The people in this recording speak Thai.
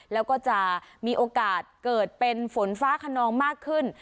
แล้วก็จะมีโอกาสเกิดเป็นฝนฟ้าขนองมากขึ้น